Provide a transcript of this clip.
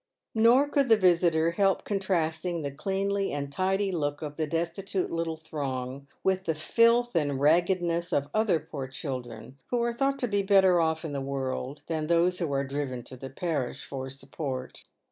Nor could the visitor help contrasting the cleanly and tidy look of the destitute little throng with the filth and rag gedness of other poor children, who are thought to be better off in the world than those who are driven to the parish for support.